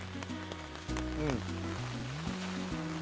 うん。